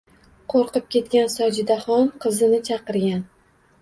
Qo`rqib ketgan Sojidaxon qizini chaqirgan